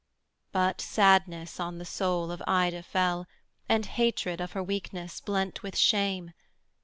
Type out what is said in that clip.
But sadness on the soul of Ida fell, And hatred of her weakness, blent with shame.